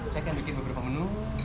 saya akan bikin beberapa menu